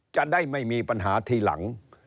จะได้ไม่มีปัญหาทีหลัง